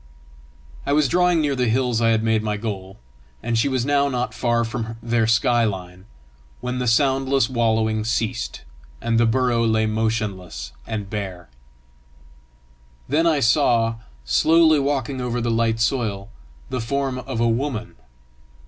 I was drawing near the hills I had made my goal, and she was now not far from their sky line, when the soundless wallowing ceased, and the burrow lay motionless and bare. Then I saw, slowly walking over the light soil, the form of a woman.